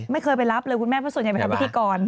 ไม่เคยไปรับเลยคุณแม่ส่วนใหญ่เป็นพิการ